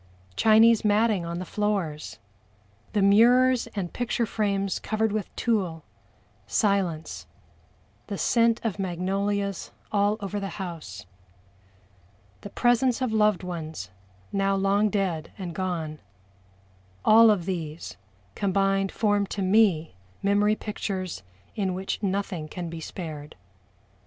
Chinese matting on the floors the mirrors and picture frames covered with tulle silence the scent of magnolias all over the house the presence of loved ones now long dead and gone all of these combined form to me memory pictures in which nothing can be spared.